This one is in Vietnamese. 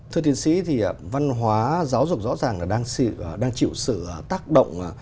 thưa tiến sĩ thì văn hóa giáo dục rõ ràng là đang chịu sự tác động